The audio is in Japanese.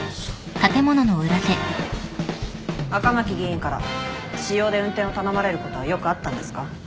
赤巻議員から私用で運転を頼まれることはよくあったんですか？